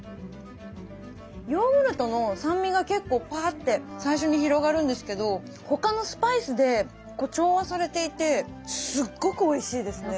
ヨーグルトの酸味が結構パーって最初に広がるんですけど他のスパイスで調和されていてすっごくおいしいですね。